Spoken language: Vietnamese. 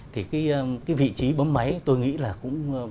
thì cái vị trí bấm máy tôi nghĩ là cũng